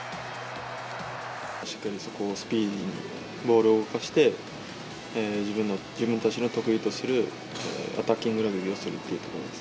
しっかりそこをスピーディーに、ボールを動かして、自分たちの得意とするアタッキングラグビーをするということです。